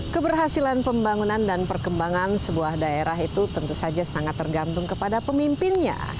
keberhasilan pembangunan dan perkembangan sebuah daerah itu tentu saja sangat tergantung kepada pemimpinnya